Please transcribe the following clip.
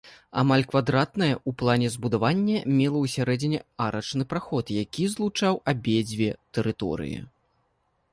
Амаль квадратнае ў плане збудаванне мела ў сярэдзіне арачны праход, які злучаў абедзве тэрыторыі.